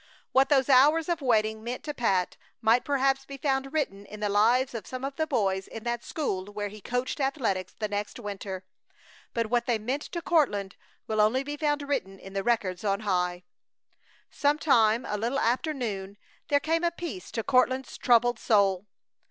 What those hours of waiting meant to Pat might perhaps be found written in the lives of some of the boys in that school where he coached athletics the next winter. But what they meant to Courtland will only be found written in the records on high. Some time a little after noon there came a peace to Courtland's troubled soul.